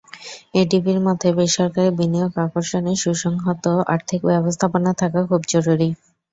এডিবির মতে, বেসরকারি বিনিয়োগ আকর্ষণে সুসংহত আর্থিক ব্যবস্থাপনা থাকা খুব জরুরি।